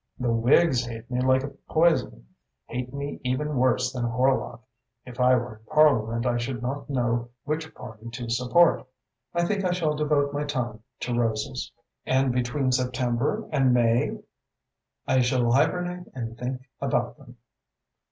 The Whigs hate me like poison, hate me even worse than Horlock. If I were in Parliament, I should not know which Party to support. I think I shall devote my time to roses." "And between September and May?" "I shall hibernate and think about them."